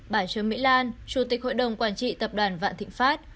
bà trương mỹ lan chủ tịch hội đồng quản trị tập đoàn vạn thịnh pháp